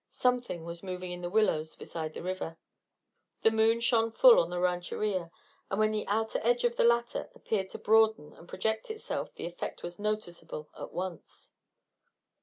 Something was moving in the willows beside the river. The moon shone full on the rancheria, and when the outer edge of the latter appeared to broaden and project itself the effect was noticeable at once.